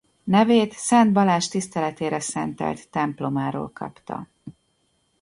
Nevét Szent Balázs tiszteletére szentelt templomáról kapta.